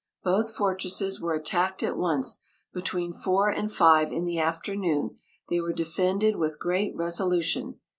Both fortresses were attacked at once, between four and five in the afternoon: they were defended with great resolution.